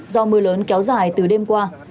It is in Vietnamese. do mưa lớn kéo dài từ đêm qua